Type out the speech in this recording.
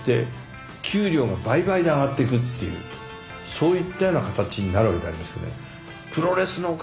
そういったような形になるわけでありますよね。